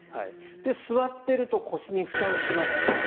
座っていると腰に負担が来ます。